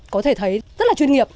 có thể thấy rất là chuyên nghiệp